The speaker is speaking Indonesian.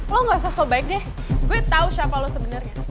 lo gak usah sobaik deh gue tau siapa lo sebenernya